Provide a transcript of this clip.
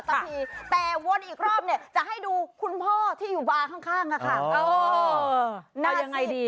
แต่วันที่อีกครอบจะให้ดูคุณพ่อที่อยู่บาร์ข้าง